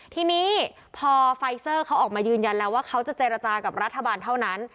ทีนี้พอไฟเซอร์เขาออกมายืนยันแล้วว่าเขาจะเจรจากับรัฐบาลเท่านั้น